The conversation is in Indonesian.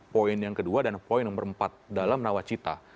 poin yang kedua dan poin nomor empat dalam nawacita